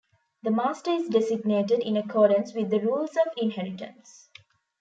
The master is designated in accordance with the rules of inheritance.